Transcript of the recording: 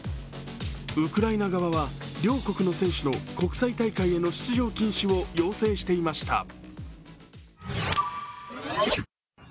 ウクライナ側は両国の選手の国際大会への出場禁止を要請していました。